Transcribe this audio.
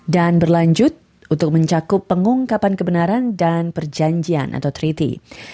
dan berlanjut untuk mencakup pengungkapan kebenaran dan perjanjian atau treaty